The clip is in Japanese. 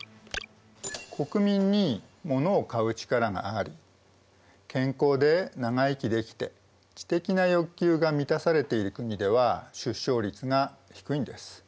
国民にモノを買う力があり健康で長生きできて知的な欲求が満たされている国では出生率が低いんです。